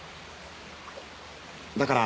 だから。